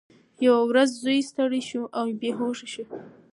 یوه ورځ زوی ستړی شو او بېهوښه شو.